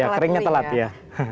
ya keringnya telat ya